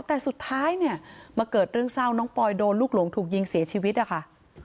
แต่สุดท้ายเนี่ยมาเกิดเรื่องเศร้าน้องปอยโดนลูกหลงถูกยิงเสียชีวิตนะคะ